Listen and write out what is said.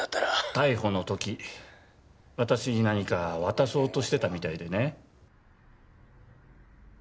逮捕のとき私に何か渡そうとしてたみたいでね。